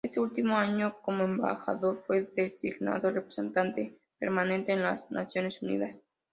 Ese último año, como embajador, fue designado representante permanente en las Naciones Unidas.